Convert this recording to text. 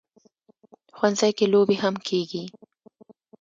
ښوونځی کې لوبې هم کېږي